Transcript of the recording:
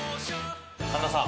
神田さん。